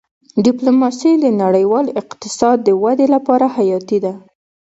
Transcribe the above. ډيپلوماسي د نړیوال اقتصاد د ودې لپاره حیاتي ده.